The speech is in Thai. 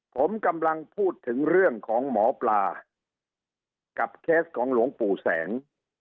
ผมกำลังพูดถึงเรื่องของหมอปลากับเคสของหลวงปู่แสง